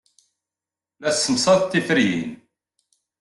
La tessemsaded tiferyin.